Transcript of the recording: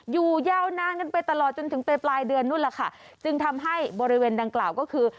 ยาวนานกันไปตลอดจนถึงไปปลายเดือนนู้นแหละค่ะจึงทำให้บริเวณดังกล่าวก็คือ